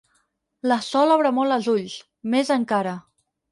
La Sol obre molt els ulls, més encara.